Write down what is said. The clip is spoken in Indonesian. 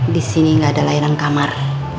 di sini gak ada layarang kamar